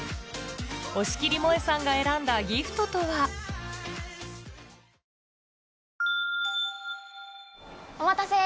押切もえさんが選んだギフトとはお待たせ！